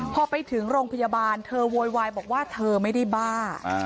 พอไปถึงโรงพยาบาลเธอโวยวายบอกว่าเธอไม่ได้บ้า